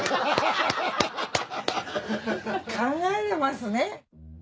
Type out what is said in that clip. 考えてますね。